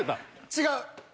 違う！